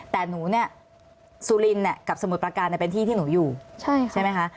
แต่หนูเนี่ยซูลินกับสมุทรปาการเนี่ยเป็นที่ที่หนูอยู่ใช่ไหมคะ